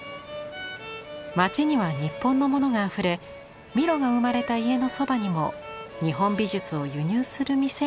街には日本のものがあふれミロが生まれた家のそばにも日本美術を輸入する店があったのだとか。